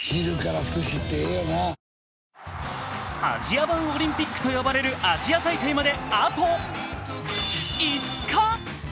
アジア版オリンピックと呼ばれるアジア大会まであと５日。